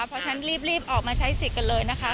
เพราะฉะนั้นรีบออกมาใช้สิทธิ์กันเลยนะคะ